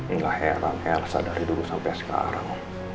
enggak heran elsa dari dulu sampe sekarang